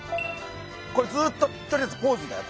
これずっととりあえずポーズだよ